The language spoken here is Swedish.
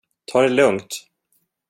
Ta det lugnt!